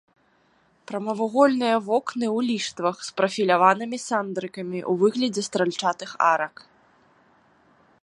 Прамавугольныя вокны ў ліштвах з прафіляванымі сандрыкамі ў выглядзе стральчатых арак.